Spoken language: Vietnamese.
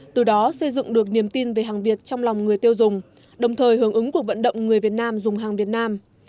từ đó xây dựng được niềm tin về hàng việt trong lòng người tiêu dùng đồng thời hưởng ứng cuộc vận động người việt nam dùng hàng việt nam